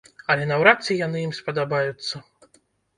Але наўрад ці яны ім спадабаюцца.